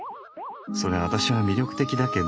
そりゃアタシは魅力的だけど。